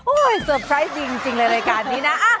โอ้ยสเตอร์ไพรส์จริงในรายการนี้นะ